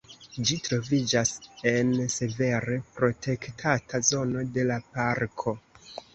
Ĝi troviĝas en severe protektata zono de la parko.